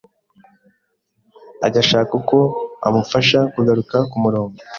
agashaka uko amufasha kugaruka kumurongo.